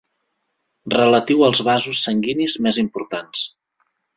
Relatiu als vasos sanguinis més importants.